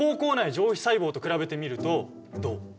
上皮細胞と比べてみるとどう？